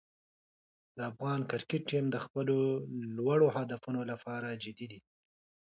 د افغان کرکټ ټیم د خپلو لوړو هدفونو لپاره جدي دی.